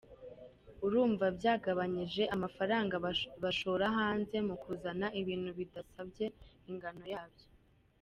Urumva byagabanyije amafaranga bashora hanze mu kuzana ibintu bidasabye ingano yabyo.